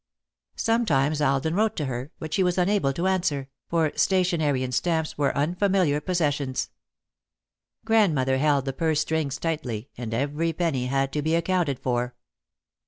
Sometimes Alden wrote to her, but she was unable to answer, for stationery and stamps were unfamiliar possessions; Grandmother held the purse strings tightly, and every penny had to be accounted for.